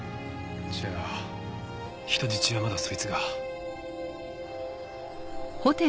じゃあ人質はまだそいつが。